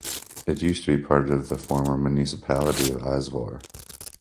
It used to be part of the former municipality of Izvor.